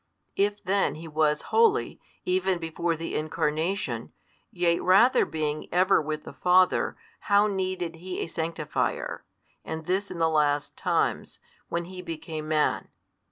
If then He was holy, even before the Incarnation, yea rather being ever with the Father, how needed He a sanctifier, and this in the last times, when He became Man?